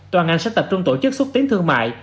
toàn ngành sẽ tập trung tổ chức xúc tiến thương mại